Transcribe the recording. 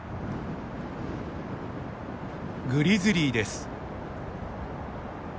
グリズリーです。